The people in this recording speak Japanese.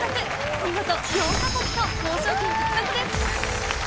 見事４か国と交渉権獲得です。